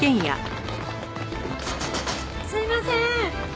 すいません！